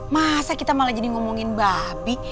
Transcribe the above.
masa kita malah jadi ngomongin babi